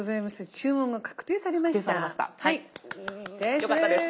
よかったです。